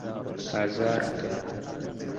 hazarde